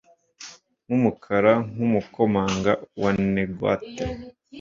Nkumukara nkumukomanga wa Newgate